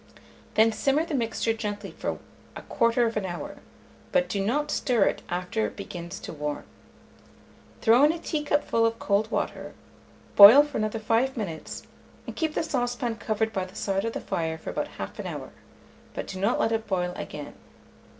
Then simmer the mixture gently for 1/4 hour, but do not stir it after it begins to warm. Throw in a teacupful of cold water, boil for another 5 minutes, and keep the saucepan covered by the side of the fire for about 1/2 hour, but do not let it boil again.